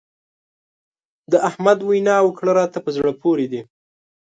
د احمد وينا او کړه راته په زړه پورې دي.